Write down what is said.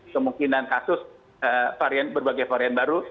kemungkinan kasus berbagai varian baru